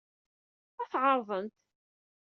Ad t-ɛerḍent.